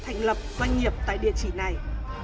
thành lập doanh nghiệp tại địa chỉ này